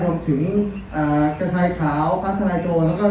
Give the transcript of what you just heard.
รวมถึงกระไทยขาวพรรคทรายโจร